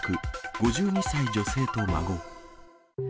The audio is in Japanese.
５２歳女性と孫。